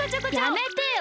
やめてよ！